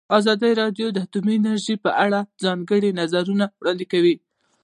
ازادي راډیو د اټومي انرژي په اړه د ځوانانو نظریات وړاندې کړي.